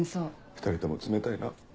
２人とも冷たいなぁ。